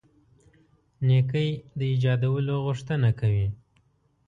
نېکۍ د ایجادولو غوښتنه کوي.